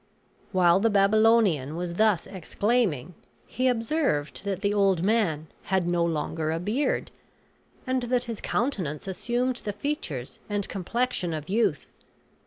While the Babylonian was thus exclaiming, he observed that the old man had no longer a beard, and that his countenance assumed the features and complexion of youth.